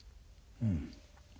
うん。